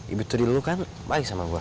ibu terilu kan baik sama gue